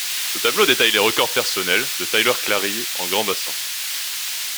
Ce tableau détaille les records personnels de Tyler Clary en grand bassin.